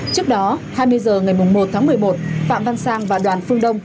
trước đó hai mươi h ngày một tháng một mươi một phạm văn sang và đoàn phương đông